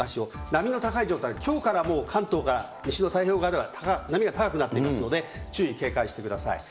さらに高波、高潮、波の高い状態がきょうからもう、関東から西の太平洋側では波が高くなっていますので、注意、警戒してください。